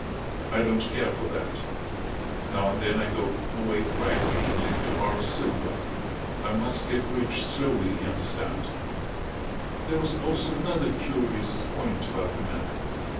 I don't care for that. Now and then I go away quietly and lift a bar of silver. I must get rich slowly you understand." There was also another curious point about the man.